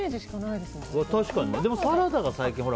でも、サラダが最近さ。